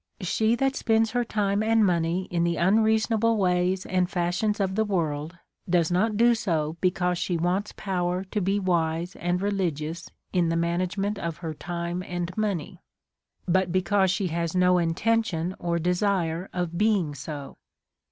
She that spends her time and money in the unreasonable ways and fashions of the world, does not do so because she wants power to be wise and re ligious in the management of her time and money ; but because she has no intention or desire of being so.